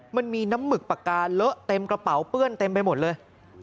มันมีน้ำหมึกปากกาเลอะเต็มกระเป๋าเปื้อนเต็มไปหมดเลย